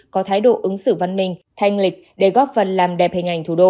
có thái độ ứng xử văn minh thanh lịch để góp phần làm đẹp hình ảnh thủ đô